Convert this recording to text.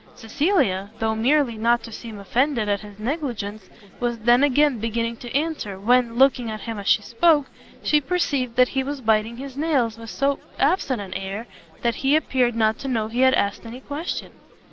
Cecilia, though merely not to seem offended at his negligence, was then again beginning an answer, when, looking at him as she spoke, she perceived that he was biting his nails with so absent an air, that he appeared not to know he had asked any question.